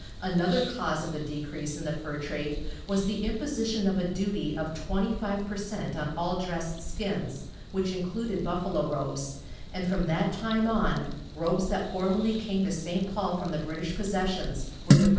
Another cause of the decrease in the fur trade was the imposition of a duty of twenty five per cent on all dressed skins, which included buffalo robes, and from that time on robes that formerly came to St. Paul from the British possessions were diverted to Montreal.